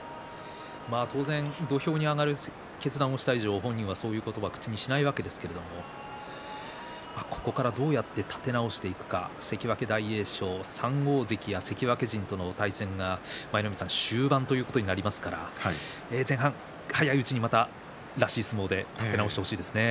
当然、土俵に上がる決断をした以上本人はそういうことは口にしないわけですけれどもここから、どうやって立て直していくのか関脇大栄翔は３大関や関脇陣との対戦が終盤ということになりますから前半早いうちにらしい相撲で立て直してほしいですね。